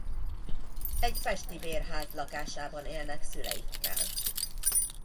Egy pesti bérház lakásában élnek szüleikkel.